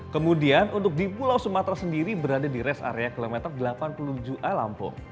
kemudian untuk di pulau sumatera sendiri berada di res area kilometer delapan puluh tujuh a lampung